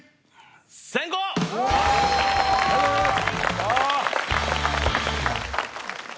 ありがとうございます。